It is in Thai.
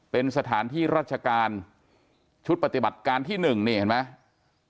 เป็นสถานที่ราชการชุดปฏิบัติการที่๑นี่เห็นไหม